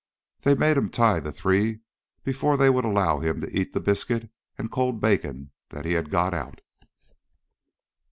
They made him tie the three before they would allow him to eat the biscuit and cold bacon that he had got out.